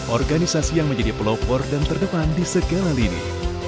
organisasi yang menjadi pelopor dan terdepan di segala lini